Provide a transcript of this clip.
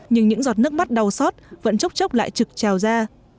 nhưng những giọt nước mắt đau xót vẫn chốc chốc lại trực trèo ra